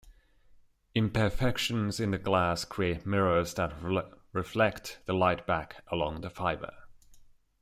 Imperfections in the glass create mirrors that reflect the light back along the fiber.